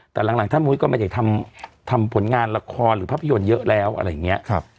แต่หลังท่านมุ้ยก็ไม่ได้ทำผลงานละครหรือภาพยนตร์เยอะแล้วอะไรอย่างนี้